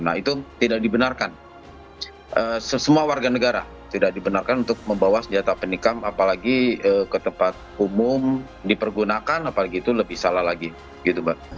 nah itu tidak dibenarkan semua warga negara tidak dibenarkan untuk membawa senjata penikam apalagi ke tempat umum dipergunakan apalagi itu lebih salah lagi gitu mbak